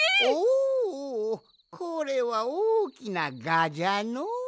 おこれはおおきなガじゃのう。